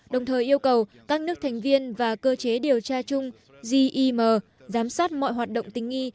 đồng thời yêu cầu các nước thành viên và cơ chế điều tra chung gim giám sát mọi hoạt động tình nghi